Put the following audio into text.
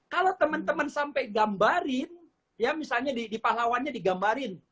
kalau teman teman sampai gambarin ya misalnya di pahlawannya digambarin